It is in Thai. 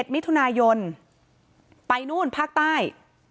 มิถุนายนไปนู่นภาคใต้